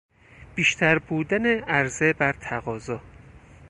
بیشتر بودن عرضه بر تقاضا